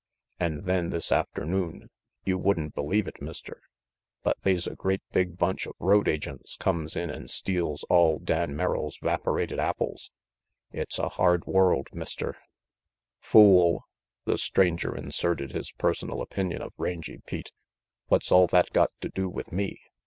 An' then this afternoon, you wouldn' believe it, Mister, but they's a great big bunch of road agents comes in an' steals all Dan Merrill's 'vaporated apples. It's a hard world, Mister "Fool," the stranger inserted his personal opinion of Rangy Pete. "What's all that got to do with me?